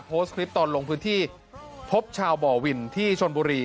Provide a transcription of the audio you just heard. โพสต์คลิปตอนลงพื้นที่พบชาวบ่อวินที่ชนบุรี